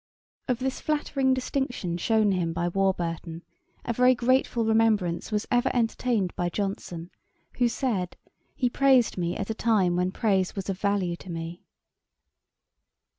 Of this flattering distinction shewn to him by Warburton, a very grateful remembrance was ever entertained by Johnson, who said, 'He praised me at a time when praise was of value to me.'